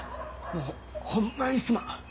もうほんまにすまん。